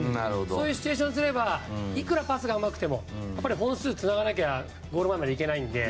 そういうシチュエーションにすればいくらパスがうまくてもやっぱり本数をつながなきゃゴール前まで行けないので。